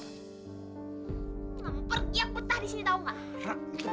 ngamper kiak betah disini tau gak